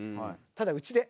ただうちで。